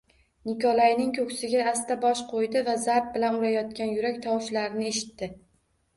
Nikolayning koʻksiga asta bosh qoʻydi va zarb bilan urayotgan yurak tovushlarini eshitdi